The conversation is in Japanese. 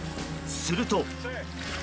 すると。